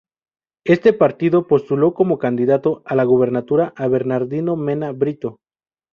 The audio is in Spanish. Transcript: Este partido postuló como candidato a la gubernatura a Bernardino Mena Brito.